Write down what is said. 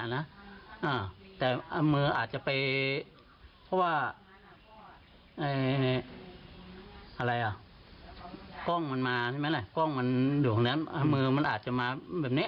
แต่มืออาจจะไปเพราะว่าอะไรอ่ะกล้องมันมาใช่ไหมล่ะกล้องมันอยู่ตรงนั้นมือมันอาจจะมาแบบนี้